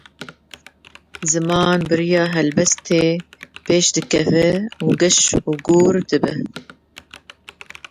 Ziman, bi rêya helbestê pêş dikeve û geş û gûr dibe.